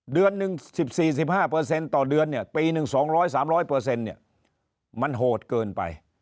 เดือนหนึ่ง๑๔๑๕ต่อเดือนปีหนึ่ง๒๐๐๓๐๐มันโหดเกินไป